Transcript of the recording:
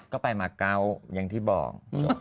ก็ไปมาเกาะอย่างที่บอก